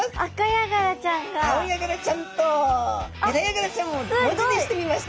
アオヤガラちゃんとヘラヤガラちゃんを文字にしてみました。